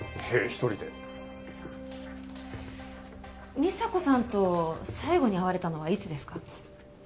美沙子さんと最後に会われたのはいつですか？